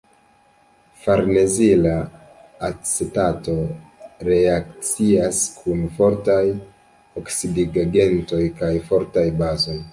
Farnezila acetato reakcias kun fortaj oksidigagentoj kaj fortaj bazoj.